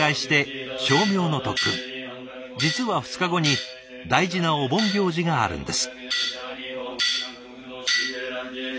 実は２日後に大事なお盆行事があるんです。